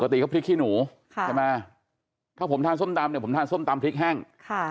ปกติก็พริกขี้หนูถ้าผมทานส้มตำผมทานส้มตำพริกแห้ง